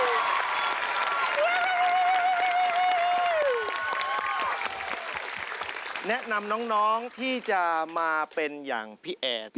แนะนำน้องที่จะมาเป็นอย่างพี่แอด